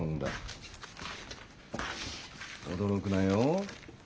驚くなよ。